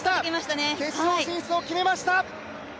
決勝進出を決めました。